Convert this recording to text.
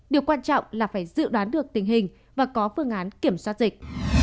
điều quan trọng là phải dự đoán được tình hình và có phương án kiểm soát dịch